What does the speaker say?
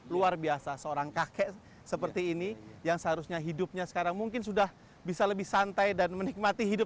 luar biasa seorang kakek seperti ini yang seharusnya hidupnya sekarang mungkin sudah bisa lebih santai dan menikmati hidup